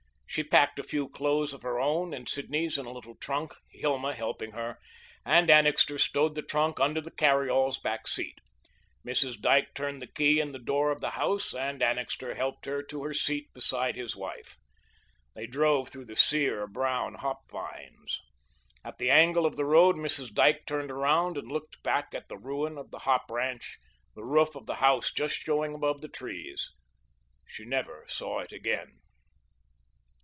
She packed a few clothes of her own and Sidney's in a little trunk, Hilma helping her, and Annixter stowed the trunk under the carry all's back seat. Mrs. Dyke turned the key in the door of the house and Annixter helped her to her seat beside his wife. They drove through the sear, brown hop vines. At the angle of the road Mrs. Dyke turned around and looked back at the ruin of the hop ranch, the roof of the house just showing above the trees. She never saw it again.